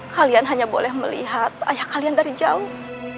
kalian hanya boleh melihat ayah kalian dari jauh